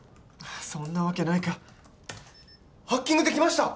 そんなわけないかハッキングできました！